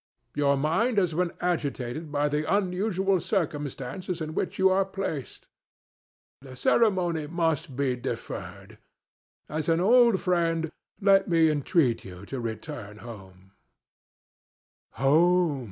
Your mind has been agitated by the unusual circumstances in which you are placed. The ceremony must be deferred. As an old friend, let me entreat you to return home."